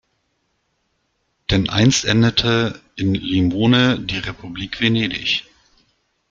Denn einst endete in Limone die Republik Venedig.